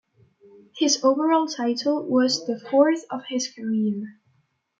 His overall title was the fourth of his career.